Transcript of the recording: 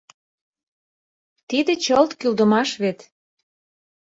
Тиде чылт кӱлдымаш вет!